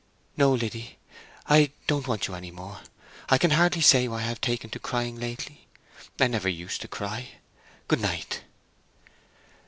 "No, Liddy—I don't want you any more. I can hardly say why I have taken to crying lately: I never used to cry. Good night."